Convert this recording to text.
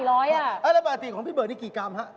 แล้วปกติของพี่เบิร์ดนี่กี่กรัมฮะ